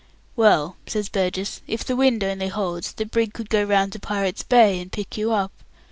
"Well," says Burgess, "if the wind only holds, the brig could go round to Pirates' Bay and pick you up.